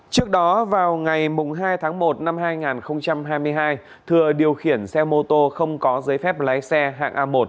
trước đó vào ngày hai tháng một năm hai nghìn hai mươi hai thừa điều khiển xe mô tô không có giấy phép lái xe hạng a một